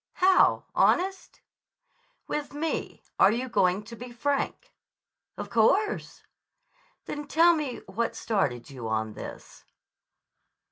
"How, honest?" "With me. Are you going to be frank?" "Of course." "Then tell me what started you on this."